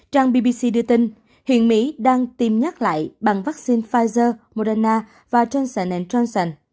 trang bbc đưa tin hiện mỹ đang tiêm nhắc lại bằng vắc xin pfizer moderna và johnson johnson